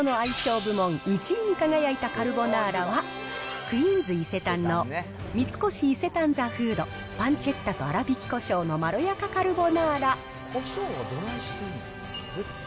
部門１位に輝いたカルボナーラは、クイーンズ伊勢丹の三越伊勢丹・ザ・フード、パンチェッタと粗挽きこしょうのまろやかカルボナーラ。